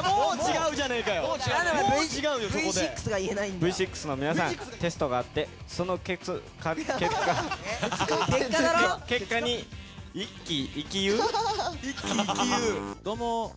Ｖ６の皆さんテストがあってどうも。